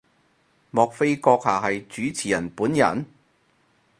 莫非閣下係主持人本人？